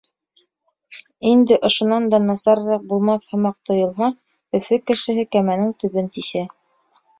Инде ошонан да насарыраҡ булмаҫ һымаҡ тойолһа, Өфө кешеһе кәмәнең төбөн тишә.